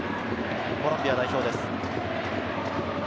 コロンビア代表です。